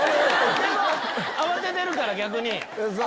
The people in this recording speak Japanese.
でも慌ててるから逆に。